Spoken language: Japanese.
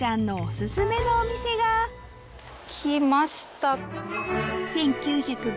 で着きました。